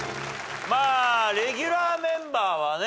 まあレギュラーメンバーはね